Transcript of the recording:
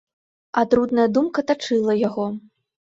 Атрутная думка тачыла яго.